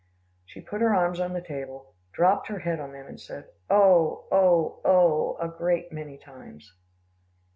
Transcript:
She put her arms on the table, dropped her head on them, and said, "Oh! oh! oh!" a great many times.